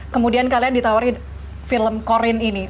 kemudian kalian ditawari film corin ini